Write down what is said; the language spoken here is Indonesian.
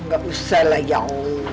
enggak usah lah ya u